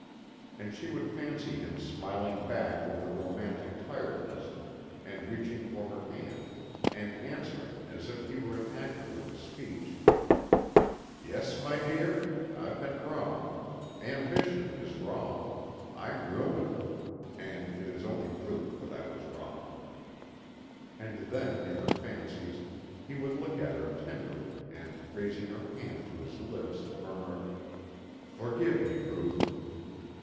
And she would fancy him smiling back with a romantic tiredness and reaching for her hand and answering as if he were an actor with a speech: "Yes, my dear? I've been wrong. Ambition is wrong. I'm ruined. And it is only proof that I was wrong." And then, in her fancies, he would look at her tenderly and raising her hand to his lips murmur, "Forgive me, Ruth."